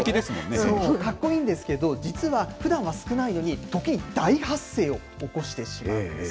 そう、かっこいいんですけど、実はふだんは少ないのに、時に大発生を起こしてしまうんです。